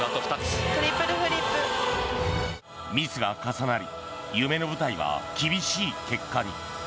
ミスが重なり夢の舞台は厳しい結果に。